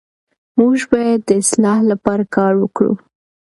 موږ باید د اصلاح لپاره کار وکړو.